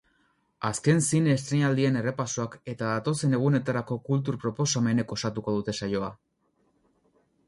Azken zine estreinaldien errepasoak eta datozen egunetarako kultur proposamenek osatuko dute saioa.